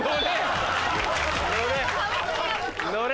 乗れ！